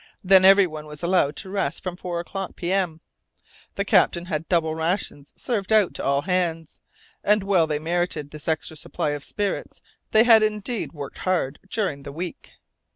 Then everyone was allowed to rest from 4 o'clock p.m. The captain had double rations served out to all hands, and well they merited this extra supply of spirits; they had indeed worked hard during the week.